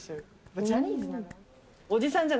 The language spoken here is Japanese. ジャニーズだな。